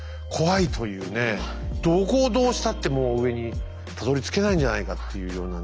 どこをどうしたってもう上にたどりつけないんじゃないかっていうようなね